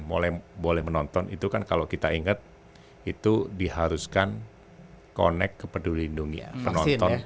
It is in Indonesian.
mulai boleh menonton itu kan kalau kita ingat itu diharuskan konek kepeduli dunia